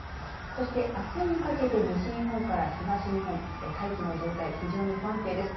そして、あすにかけて西日本から東日本大気の状態、非常に不安定です。